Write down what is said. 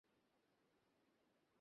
কী বলতে চাইছে তারা?